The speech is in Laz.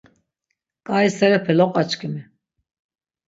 Ǩai serepe loqaçkimi.